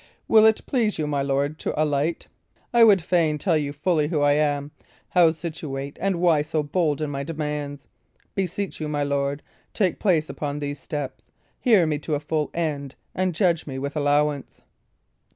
"Will it please you, my lord, to alight? I would fain tell you fully who I am, how situate, and why so bold in my demands. Beseech you, my lord, take place upon these steps, hear me to a full end, and judge me with allowance."